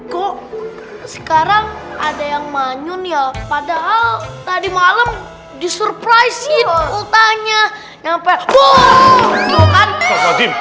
kok sekarang ada yang manyun ya padahal tadi malam disurprise utangnya nyampe